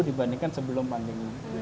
dibandingkan sebelum pandemi